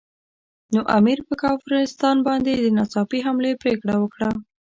نو امیر پر کافرستان باندې د ناڅاپي حملې پرېکړه وکړه.